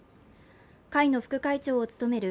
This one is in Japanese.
会の副会長を務める